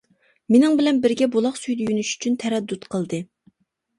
مېنىڭ بىلەن بىرگە بۇلاق سۈيىدە يۇيۇنۇش ئۈچۈن تەرەددۇت قىلدى.